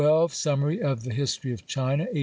"Summary of the History of China," 1824.